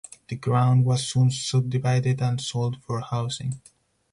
The ground was soon subdivided and sold for housing.